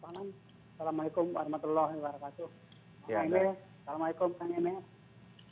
pak emil assalamualaikum kang emil